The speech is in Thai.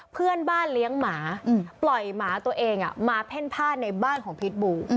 เพื่อนบ้านเลี้ยงหมาปล่อยหมาตัวเองมาเพ่นผ้าในบ้านของพิษบู